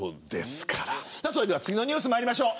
それでは次のニュースにまいりましょう。